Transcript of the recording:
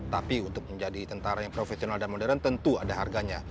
tapi untuk menjadi tentara yang profesional dan modern tentu ada harganya